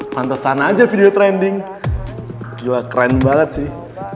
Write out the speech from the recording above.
pantesan aja video trending ya keren banget sih